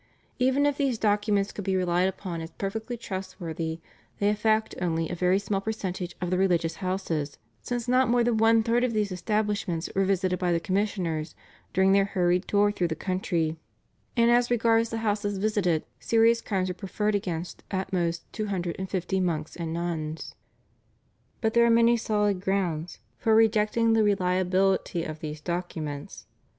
Even if these documents could be relied upon as perfectly trustworthy they affect only a very small percentage of the religious houses, since not more than one third of these establishments were visited by the commissioners during their hurried tour through the country, and as regards the houses visited serious crimes were preferred against at most two hundred and fifty monks and nuns. But there are many solid grounds for rejecting the reliability of these documents.